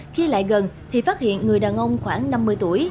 khi lại gần thì phát hiện người đàn ông khoảng năm mươi tuổi